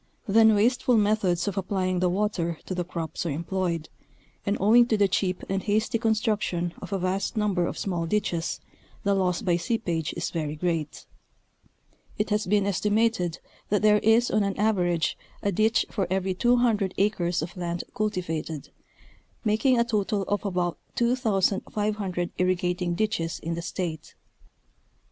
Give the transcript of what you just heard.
Then wasteful methods of applying the water to the crops are employed, and owing to the cheap and hasty construction of a vast number of small ditches the loss by seepage is very great ; it has been estimated that there is on an average a ditch for every 200 acres of land cultivated, making a total of about 2500 irri gating ditches in the State.